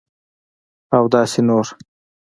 اوداسي نور